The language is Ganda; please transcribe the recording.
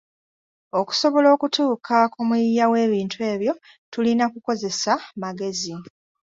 Okusobola okutuuka ku muyiiya w’ebintu ebyo tulina kukozesa magezi